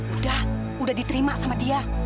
udah udah diterima sama dia